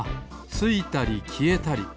ついたりきえたり。